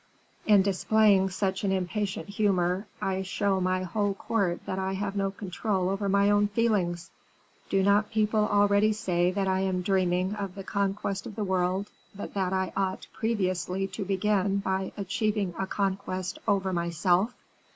In displaying such an impatient humor I show my whole court that I have no control over my own feelings. Do not people already say that I am dreaming of the conquest of the world, but that I ought previously to begin by achieving a conquest over myself?"